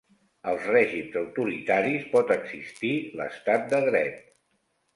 Als règims autoritaris pot existir l'estat de dret.